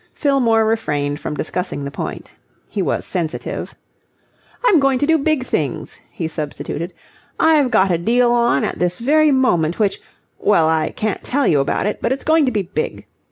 Fillmore refrained from discussing the point. He was sensitive. "I'm going to do big things," he substituted. "I've got a deal on at this very moment which... well, I can't tell you about it, but it's going to be big.